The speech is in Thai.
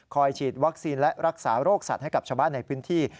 ฉีดวัคซีนและรักษาโรคสัตว์ให้กับชาวบ้านในพื้นที่